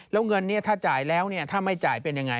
แล้วเงินนี้ถ้าจ่ายแล้วถ้าไม่จ่ายเป็นยังไง